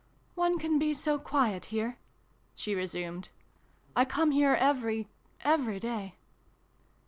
" One can be so quiet here," she resumed. " I come here every every day."